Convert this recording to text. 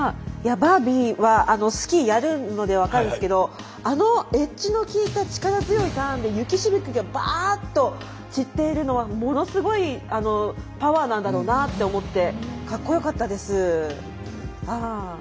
バービーはスキーやるので分かるんですけどあのエッジのきいた力強いターンで雪しぶきがバーッと散っているのはものすごいパワーなんだろうなって思ってかっこよかったです、ターン。